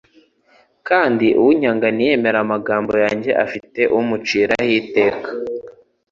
kandi unyanga ntiyemere amagambo yanjye afite umuciraho iteka.